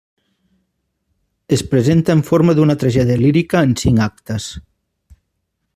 Es presenta en forma d'una tragèdia lírica en cinc actes.